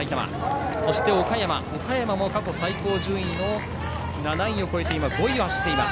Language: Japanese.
そして岡山も過去最高順位の７位を超えて５位を走っています。